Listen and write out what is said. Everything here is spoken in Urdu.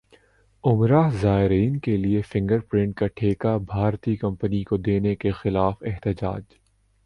عمرہ زائرین کیلئے فنگر پرنٹ کا ٹھیکہ بھارتی کمپنی کو دینے کیخلاف احتجاج